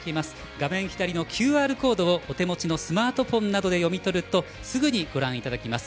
画面左のＱＲコードをお手持ちのスマートフォンなどで読み取るとすぐにご覧いただけます。